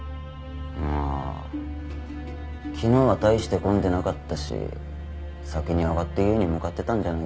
ああ昨日は大して混んでなかったし先に上がって家に向かってたんじゃないかな。